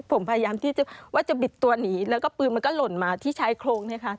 ผมพยายามที่จะว่าจะบิดตัวหนีแล้วก็ปืนมันก็หล่นมาที่ชายโครงนะคะ